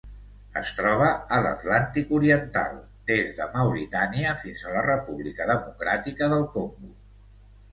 Es troba a l'Atlàntic oriental: des de Mauritània fins a la República Democràtica del Congo.